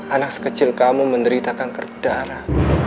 anak sekecil kamu menderita kanker darah